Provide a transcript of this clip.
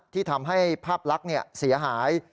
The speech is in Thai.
ที่ทำให้ภาพลักษณ์เสียหาย